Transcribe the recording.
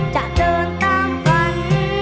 จะเดินตามฝัน